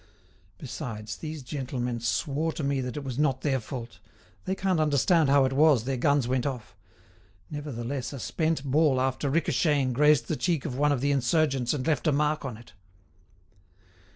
Besides, these gentlemen swore to me that it was not their fault; they can't understand how it was their guns went off. Nevertheless, a spent ball after ricocheting grazed the cheek of one of the insurgents and left a mark on it."